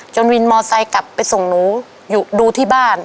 จนวินมอร์ไซค์กลับไปส่งหนูดูที่บ้าน